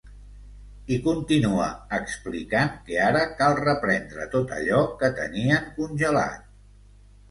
I continua explicant que ara cal reprendre tot allò que tenien congelat.